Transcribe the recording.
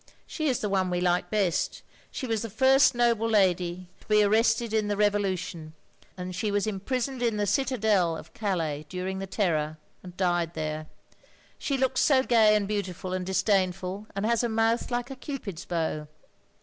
She is the one we like best. She was the first noble lady to be arrested in the OF GROSVENOR SQUARE 27 Revolution, and she was imprisoned in the CitadeUe of Calais during the Terror, and died there. She looks so gay and beautiful and disdainful, and has a mouth like a Cupid's bow."